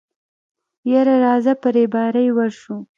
يره راځه په رېبارۍ ورشو.